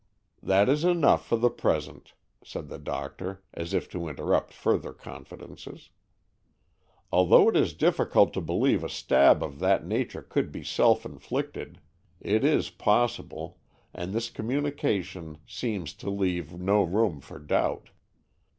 "That is enough for the present," said the doctor, as if to interrupt further confidences. "Although it is difficult to believe a stab of that nature could be self inflicted, it is possible, and this communication seems to leave no room for doubt.